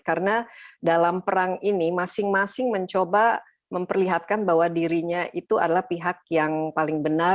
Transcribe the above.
karena dalam perang ini masing masing mencoba memperlihatkan bahwa dirinya itu adalah pihak yang paling benar